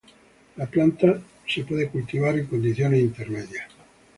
La planta puede ser cultivada en condiciones intermedias.